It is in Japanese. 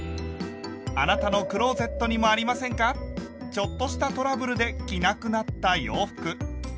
ちょっとしたトラブルで着なくなった洋服。